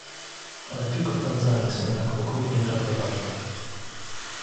Ale tylko w Tanzanii są tak okrutnie traktowani